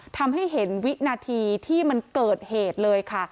ทำให้เห็นวินาทีที่มันเกิดเหตุเลยค่ะ